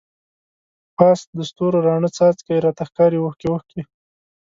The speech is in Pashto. پاس د ستورو راڼه څاڅکی، راته ښکاری اوښکی اوښکی